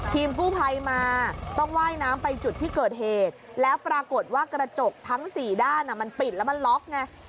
ทีมกู้ภัยมาต้องว่ายน้ำไปจุดที่เกิดเหตุแล้วปรากฏว่ากระจกทั้งสี่ด้านมันปิดแล้วมันล็อกไง